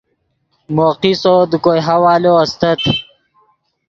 مو قصو دے کوئے حوالو استت